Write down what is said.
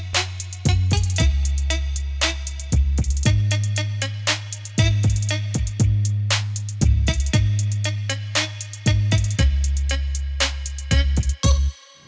ya aku mau